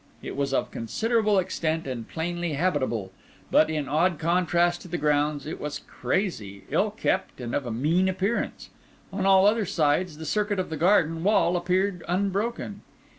It was of considerable extent, and plainly habitable; but, in odd contrast to the grounds, it was crazy, ill kept, and of a mean appearance. On all other sides the circuit of the garden wall appeared unbroken.